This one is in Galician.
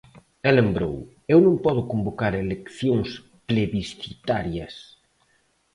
E lembrou: "Eu non podo convocar eleccións plebiscitarias".